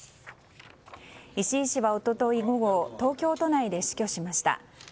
石井氏は一昨日午後東京都内で死去しました。